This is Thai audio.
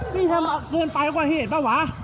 นี่ทำเอาเกินไปกว่าเหตุป่าวหวะ